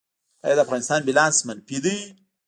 آیا د افغانستان بیلانس منفي دی؟